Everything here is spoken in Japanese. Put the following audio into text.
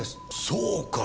そうか。